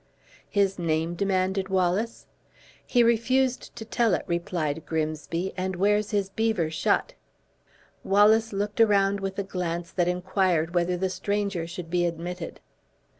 "His name?" demanded Wallace. "He refused to tell it," replied Grimsby, "and wears his beaver shut." Wallace looked around with a glance that inquired whether the stranger should be admitted.